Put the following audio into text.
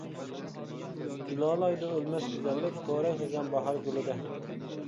جۇلالايدۇ ئۆلمەس گۈزەللىك، پورەكلىگەن باھار گۈلىدە.